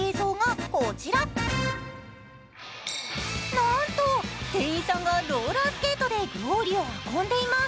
なんと、店員さんがローラースケートで料理を運んでいます。